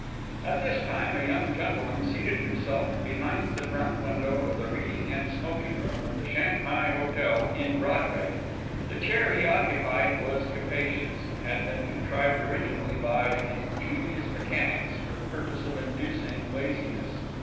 At this time, a young gentleman seated himself behind the front window of the reading and smoking room of the Shanghae Hotel, in Broadway. The chair he occupied was capacious, and had been contrived originally, by ingenious mechanics, for the purpose of inducing laziness.